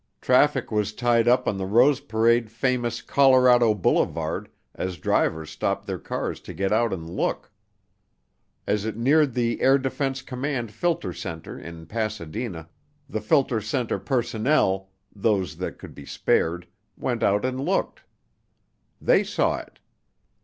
Traffic was tied up on the Rose Parade famous Colorado Boulevard as drivers stopped their cars to get out and look. As it neared the Air Defense Command Filter Center in Pasadena the filter center personnel, those that could be spared, went out and looked. They saw it.